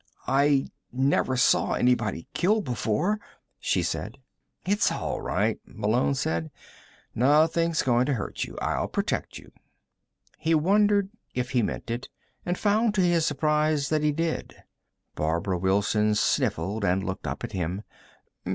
"I never saw anybody killed before," she said. "It's all right," Malone said. "Nothing's going to hurt you. I'll protect you." He wondered if he meant it, and found, to his surprise, that he did. Barbara Wilson sniffled and looked up at him.